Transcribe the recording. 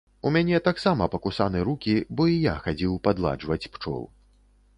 У мяне таксама пакусаны рукі, бо і я хадзіў падладжваць пчол.